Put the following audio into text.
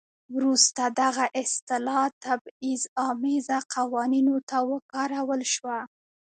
وروسته دغه اصطلاح تبعیض امیزه قوانینو ته وکارول شوه.